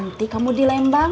nanti kamu di lembang